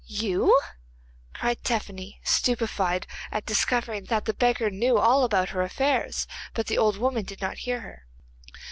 'You?' cried Tephany, stupefied at discovering that the beggar knew all about her affairs, but the old woman did not hear her.